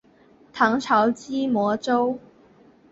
唐朝羁縻州。